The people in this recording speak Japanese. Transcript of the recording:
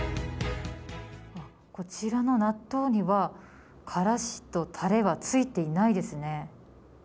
こちらの納豆には、からしとタレはついていないですね。